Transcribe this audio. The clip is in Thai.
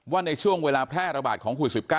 ในช่วงเวลาแพร่ระบาดของโควิด๑๙